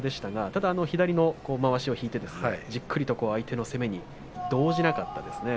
ただ左のまわしを引いてじっくりと相手の攻めに動じなかった。